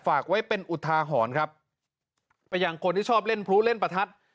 ฝากไว้เป็นอุทาหรณ์ครับไปยังคนที่ชอบเล่นพลุเล่นประทัด